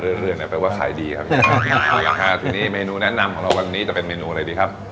รายเรื่อยแปลว่าขายดีครับทีนี้เมนูแนะนำของเราวันนี้จะเป็นเมนูอะไรดีครับ